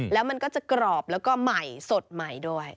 แล้วมันก็จะกรอบแล้วก็ใหม่สดใหม่ด้วย